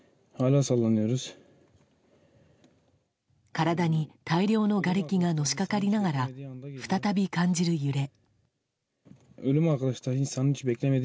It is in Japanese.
体に大量のがれきがのしかかりながら再び感じる揺れ。